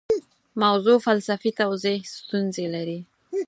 موضوع فلسفي توضیح ستونزې لري.